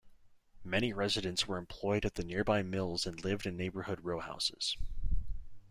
Many residents were employed at the nearby mills and lived in neighborhood rowhouses.